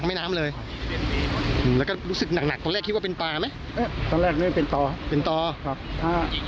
ติดศพมาเฉยเลย